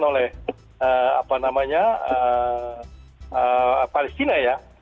dikeluarkan oleh palestina ya